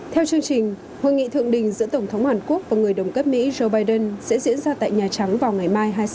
theo chương trình hội nghị thượng đỉnh giữa tổng thống hàn quốc và người đồng cấp mỹ joe biden sẽ diễn ra tại nhà trắng vào ngày mai